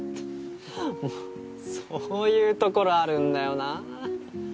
もうそういうところあるんだよなぁ。